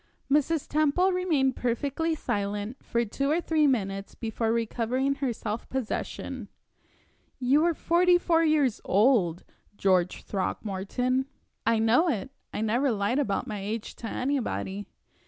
Mrs. Temple remained perfectly silent for two or three minutes before recovering her self possession. "You are forty four years old, George Throckmorton." "I know it. I never lied about my age to anybody."